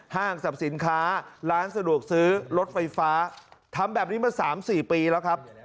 ห้างสรรพสินค้าร้านสะดวกซื้อรถไฟฟ้าทำแบบนี้มา๓๔ปีแล้วครับ